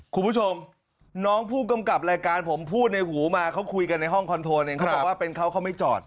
คุณผู้ชมน้องผู้กำกับรายการผมพูดในหูมาเขาคุยกันในห้องคอนโทรเองเขาบอกว่าเป็นเขาเขาไม่จอด